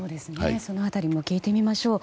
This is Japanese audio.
その辺りも聞いてみましょう。